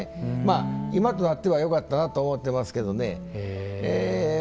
まあ今となってはよかったなと思ってますけどね。